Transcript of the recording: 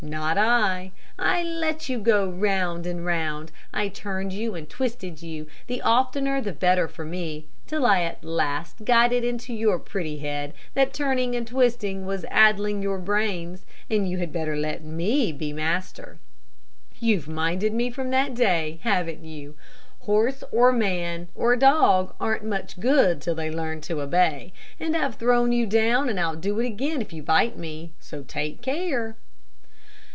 Not I. I let you go round and round; I turned you and twisted you, the oftener the better for me, till at last I got it into your pretty head that turning and twisting was addling your brains, and you had better let me be master. "You've minded me from that day, haven't you? Horse, or man, or dog aren't much good till they learn to obey, and I've thrown you down and I'll do it again if you bite me, so take care."